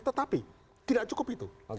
tetapi tidak cukup itu